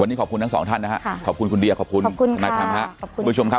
วันนี้ขอบคุณทั้งสองท่านนะครับขอบคุณคุณเดียขอบคุณนายพันธุ์ค่ะ